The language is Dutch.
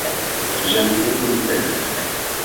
Ze zijn ook complementair.